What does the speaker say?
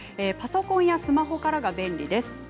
パソコンやスマホからが便利です。